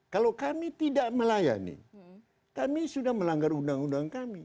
kalau kami tidak melayani kami sudah melanggar undang undang kami